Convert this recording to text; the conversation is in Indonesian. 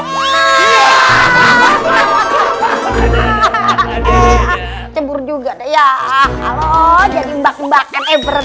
ini teman teman saya matang di dalam